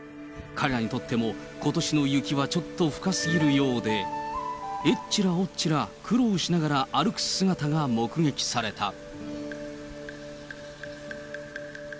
彼らにとっても、ことしの雪はちょっと深すぎるようで、えっちらおっちら、苦労しながら歩く姿が目撃された。